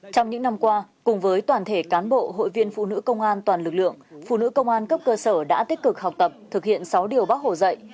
trong những năm qua cùng với toàn thể cán bộ hội viên phụ nữ công an toàn lực lượng phụ nữ công an cấp cơ sở đã tích cực học tập thực hiện sáu điều bác hồ dạy